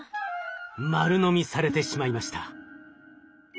丸飲みされてしまいました。